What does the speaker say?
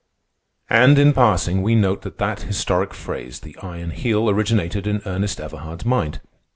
And in passing we note that that historic phrase, the Iron Heel, originated in Ernest Everhard's mind.